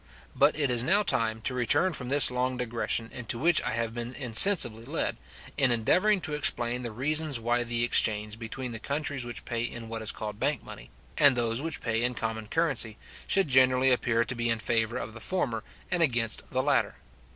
But it is now time to return from this long digression, into which I have been insensibly led, in endeavouring to explain the reasons why the exchange between the countries which pay in what is called bank money, and those which pay in common currency, should generally appear to be in favour of the former, and against the latter.